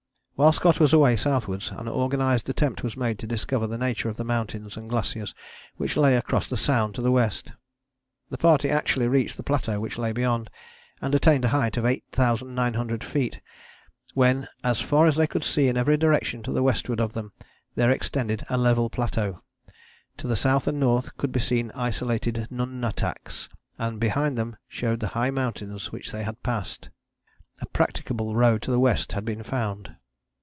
While Scott was away southwards an organized attempt was made to discover the nature of the mountains and glaciers which lay across the Sound to the west. This party actually reached the plateau which lay beyond, and attained a height of 8900 feet, when "as far as they could see in every direction to the westward of them there extended a level plateau, to the south and north could be seen isolated nunataks, and behind them showed the high mountains which they had passed": a practicable road to the west had been found.